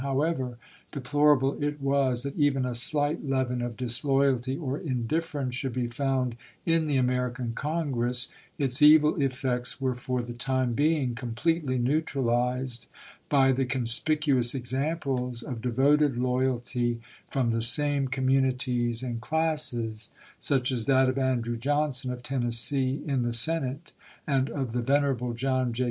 How ever deplorable it was that even a slight leaven of disloyalty or indifference should be found in the American Congress, its evil effects were for the time being completely neutralized by the conspic uous examples of devoted loyalty from the same communities and classes, such as that of Andrew Johnson of Tennessee, in the Senate, and of the venerable John J.